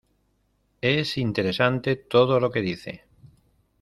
Es interesante todo lo que dice.